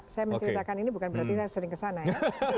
saya menceritakan ini bukan berarti saya sering kesana ya